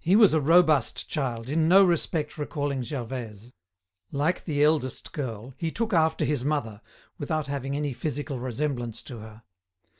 He was a robust child, in no respect recalling Gervaise. Like the eldest girl, he took after his mother, without having any physical resemblance to her.